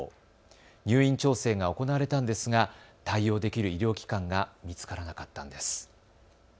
入院調整が行われたんですが対応できる医療機関が見つからなかったんです。